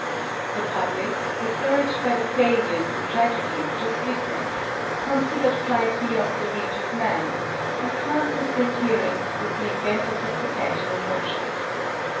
The public, discouraged by the failures and tragedies just witnessed, considered flight beyond the reach of man, and classed its adherents with the inventors of perpetual motion.